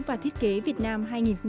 và thiết kế việt nam hai nghìn một mươi chín